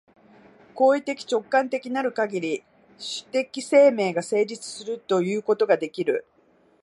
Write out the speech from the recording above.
行為的直観的なるかぎり、種的生命が成立するということができる。